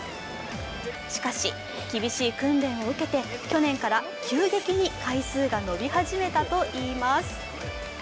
しかし、厳しい訓練を受けて去年から急激に回数が伸び始めたといいます。